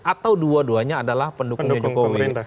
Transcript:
atau dua duanya adalah pendukung jokowi